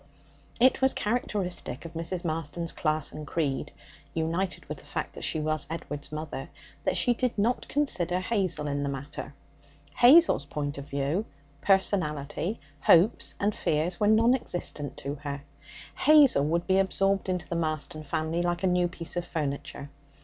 It was characteristic of Mrs. Marston's class and creed (united with the fact that she was Edward's mother) that she did not consider Hazel in the matter. Hazel's point of view, personality, hopes and fears were non existent to her. Hazel would be absorbed into the Marston family like a new piece of furniture.